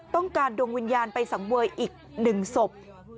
ต้องการดวงวิญญาณไปสังเวย์อีกหนึ่งศพ